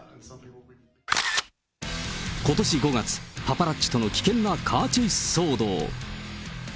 ことし５月、パパラッチとの危険なカーチェイス騒動。